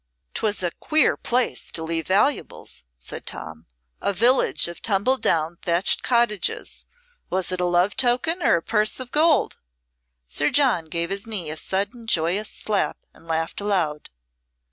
"'Twas a queer place to leave valuables," said Tom "a village of tumble down thatched cottages. Was't a love token or a purse of gold?" Sir John gave his knee a sudden joyous slap, and laughed aloud.